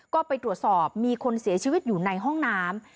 ก็ไปตรวจสอบมีคนเสียชีวิตอยู่ในห้องน้ำ